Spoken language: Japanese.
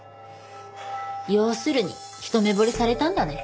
要するに一目惚れされたんだね。